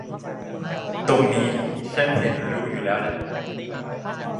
ตรงนี้ฉันเห็นและรู้อยู่แล้วหละ